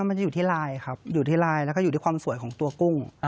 มันจะอยู่ที่ลายครับอยู่ที่ลายแล้วก็อยู่ที่ความสวยของตัวกุ้ง